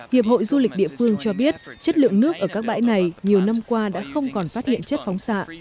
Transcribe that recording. hiệp hội du lịch địa phương cho biết chất lượng nước ở các bãi này nhiều năm qua đã không còn phát hiện chất phóng xạ